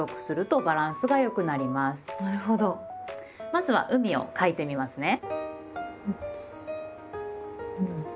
まずは「海」を書いてみますね。